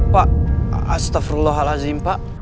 pak astagfirullahaladzim pak